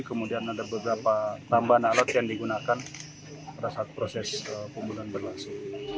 kemudian ada beberapa tambahan alat yang digunakan pada saat proses pembunuhan berlangsung